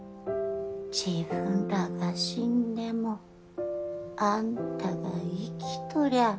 自分らが死んでもあんたが生きとりゃあ